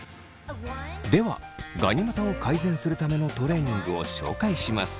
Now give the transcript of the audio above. ではガニ股を改善するためのトレーニングを紹介します。